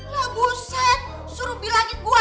ya buset suruh bilangin gue